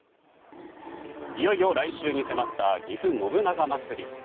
いよいよ来週に迫ったぎふ信長まつり。